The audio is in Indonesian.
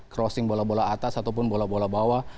crossing bola bola atas ataupun bola bola bawah